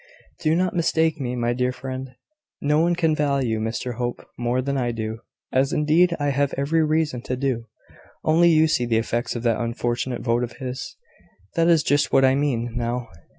"Do not mistake me, my dear friend. No one can value Mr Hope more than I do, as indeed I have every reason to do. Only you see the effects of that unfortunate vote of his. That is just what I mean, now.